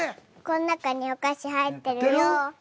こん中にお菓子入ってるよ。